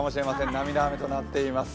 涙雨となっています。